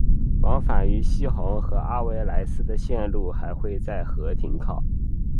往返于希洪和阿维莱斯的线路还会在和停靠。